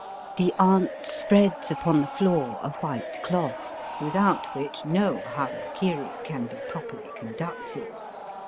The aunt spreads upon the floor a white cloth, without which no hari kari can be properly conducted.